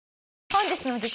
本日の激